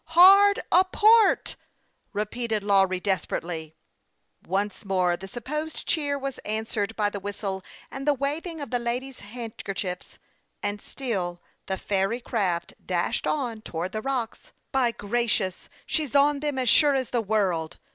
" Hard a port !" repeated Lawry, desperately. Once more the supposed cheer was answered by the whistle and the waving of the ladies' handker chiefs, and still the fairy craft dashed on towards the rocks. " By gracious ! she's on them, as sure as the world